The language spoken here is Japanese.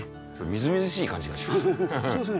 みずみずしい感じがします。